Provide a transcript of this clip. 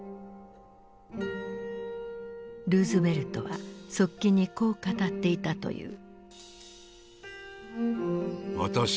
ルーズベルトは側近にこう語っていたという。